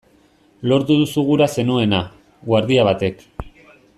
Lortu duzu gura zenuena!, guardia batek.